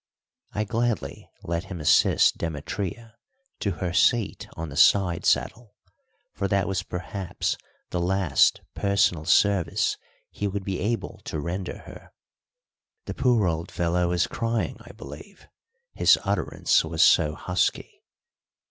I gladly let him assist Demetria to her seat on the side saddle, for that was perhaps the last personal service he would be able to render her. The poor old fellow was crying, I believe, his utterance was so husky.